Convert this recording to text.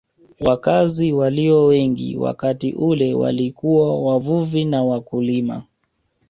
Wakazi walio wengi wakati ule walikuwa wavuvi na wakulima